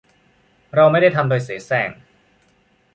เราไม่ได้ทำโดยเสแสร้ง